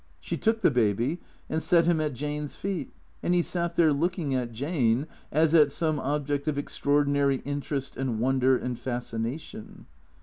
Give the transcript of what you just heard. She took the Baby, and set him at Jane's feet ; and he sat there, looking at Jane, as at some object of extraordinary interest and wonder and fascination.